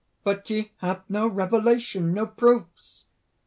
"But ye have no revelation! no proofs!"